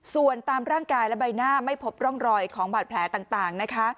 ส่วนตามร่างกายและใบหน้าไม่พบร่องรอยของบาดแผลต่างนะคะ